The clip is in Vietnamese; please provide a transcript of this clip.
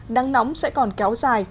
nắng nóng sẽ còn kéo dài